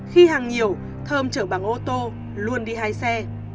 khi hàng nhiều thơm chở bằng ô tô luôn đi hai xe